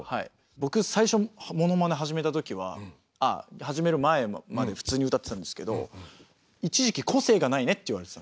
僕最初モノマネ始めたときは始める前まで普通に歌ってたんですけど一時期「個性がないね」って言われてたんですよ。